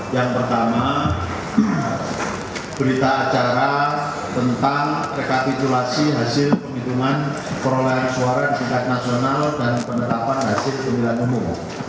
yang pertama berita acara tentang rekapitulasi hasil penghitungan perolehan suara di tingkat nasional dan penetapan hasil pemilihan umum